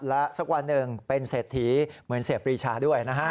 และสักวันหนึ่งเป็นเศรษฐีเหมือนเสียปรีชาด้วยนะฮะ